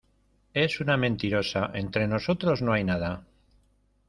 es una mentirosa. entre nosotros no hay nada .